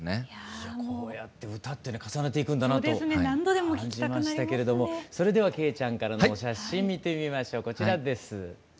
いやこうやって歌ってね重ねていくんだなと感じましたけれどもそれでは惠ちゃんからのお写真見てみましょうこちらです。